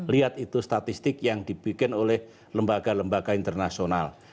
lihat itu statistik yang dibikin oleh lembaga lembaga internasional